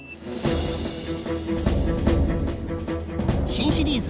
新シリーズ！